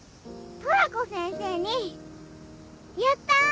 トラコ先生に「やった！